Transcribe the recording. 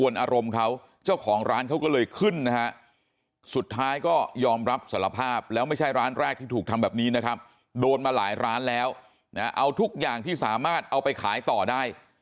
โดนมาหลายร้านแล้วเอาทุกอย่างที่สามารถเอาไปขายต่อได้